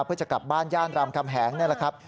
เพื่อจะกลับบ้านย่านรามคำแหงนี่แหละครับ